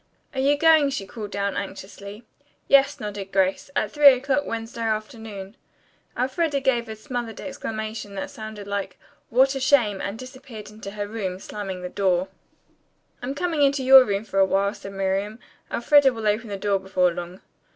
"Are you going?" she called down anxiously. "Yes," nodded Grace. "At three o'clock Wednesday afternoon." Elfreda gave a smothered exclamation that sounded like, "What a shame," and disappeared into her room, slamming the door. "I'm coming into your room for a while," said Miriam. "Elfreda will open the door before long."